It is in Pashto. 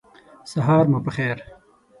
سهار مو په خیر !